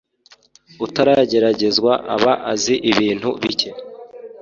utarageragezwa aba azi ibintu bike